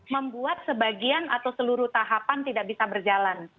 membuat sebagian atau seluruh tahapan tidak bisa berjalan